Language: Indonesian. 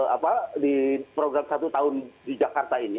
apa di program satu tahun di jakarta ini